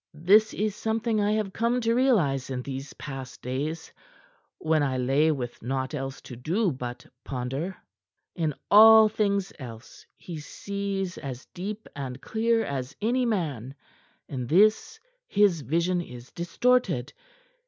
This is something I have come to realize in these past days, when I lay with naught else to do but ponder. "In all things else he sees as deep and clear as any man; in this his vision is distorted.